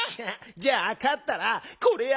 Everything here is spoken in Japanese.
じゃあかったらこれやるよ。